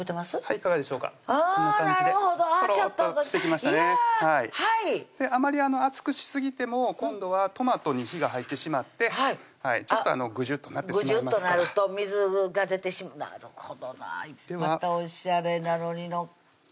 いかがでしょうかこんな感じでなるほどあちょっといやはいあまり熱くしすぎても今度はトマトに火が入ってしまってちょっとグジュッとなってしまいますからグジュッとなると水が出てしまなるほどなまたおしゃれなのに載うわ